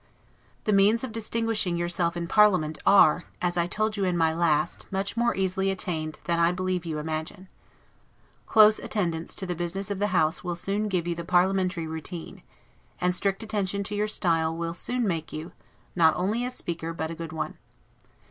The means of distinguishing yourself in parliament are, as I told you in my last, much more easily attained than I believe you imagine. Close attendance to the business of the House will soon give you the parliamentary routine; and strict attention to your style will soon make you, not only a speaker, but a good one.